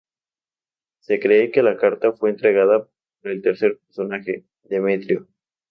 Se cree que la carta fue entregada por un tercer personaje, Demetrio.